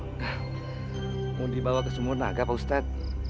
mau dibawa ke sumunaga pak ustadz